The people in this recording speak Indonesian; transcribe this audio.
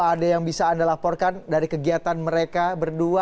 ada yang bisa anda laporkan dari kegiatan mereka berdua